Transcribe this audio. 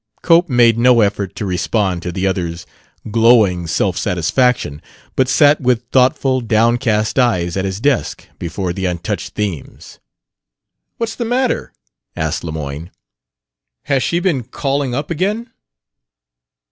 Cope made no effort to respond to the other's glowing self satisfaction, but sat with thoughtful, downcast eyes at his desk before the untouched themes. "What's the matter?" asked Lemoyne. "Has she been calling up again?"